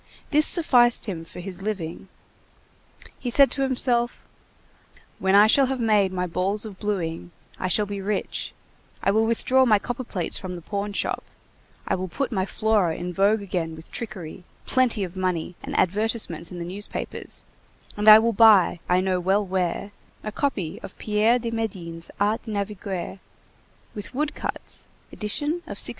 This sufficed him for his living. He said to himself: "When I shall have made my balls of blueing, I shall be rich, I will withdraw my copperplates from the pawn shop, I will put my Flora in vogue again with trickery, plenty of money and advertisements in the newspapers and I will buy, I know well where, a copy of Pierre de Médine's Art de Naviguer, with wood cuts, edition of 1655."